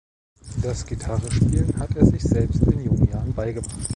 Das Gitarrespielen hat er sich selbst in jungen Jahren beigebracht.